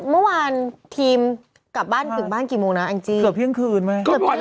เมื่อวานทีมกลับบ้านถึงบ้านกี่โมงนะแองจี้เกือบเที่ยงคืนไหม